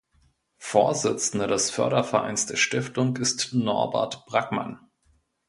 Vorsitzender des Fördervereins der Stiftung ist Norbert Brackmann.